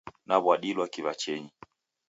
Naw'adilwa kiw'achenyi.